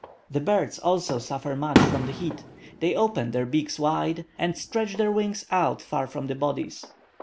The birds also suffer much from the heat: they open their beaks wide, and stretch their wings out far from their bodies.